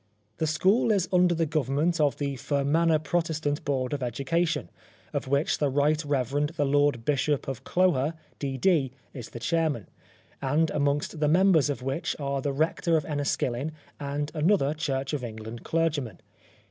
The school is under the government of The Fermanagh Protestant Board of Education, of which the Right Rev. The Lord Bishop of Clogher, D.D., is the Chairman, and amongst the members of which are the Rector of Enniskillen and another Church of England clergyman.